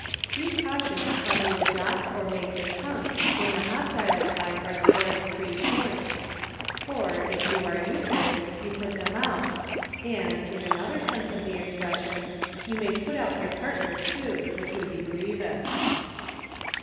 Be cautious how you adopt or make the trump when the hostile side are scoring three points ; for, if you are Euchred, you put them out, and, in another sense of the expression, you may put out your partner too, which would be grievous.